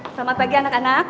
selamat pagi anak anak